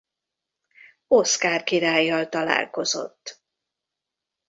Oszkár királlyal találkozott.